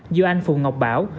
do anh phùng ngọc bảo